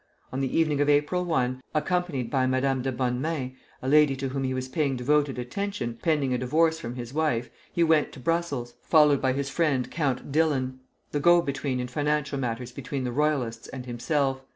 On the evening of April 1, accompanied by Madame de Bonnemains, a lady to whom he was paying devoted attention, pending a divorce from his wife, he went to Brussels, followed by his friend Count Dillon, the go between in financial matters between the Royalists and himself.